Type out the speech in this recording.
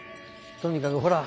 とにかくほら